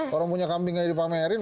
kalau punya kambingnya dipamerin